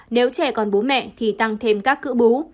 nếu trẻ còn bố mẹ thì tăng thêm các cự bú